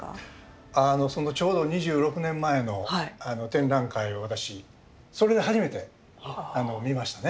ちょうど２６年前の展覧会を私それで初めて見ましてね。